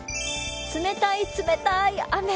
冷たい冷たい雨。